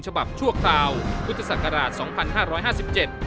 ฉบับชั่วคราวพุทธศักราช๒๕๕๗